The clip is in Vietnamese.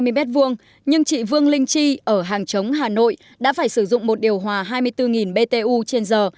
căn phòng này chỉ rộng hai mươi m hai nhưng chị vương linh chi ở hàng chống hà nội đã phải sử dụng một điều hòa hai mươi bốn btu trên giờ